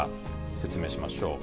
説明しましょう。